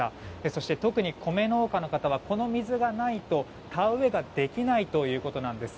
そして特に米農家の方はこの水がないと田植えができないということです。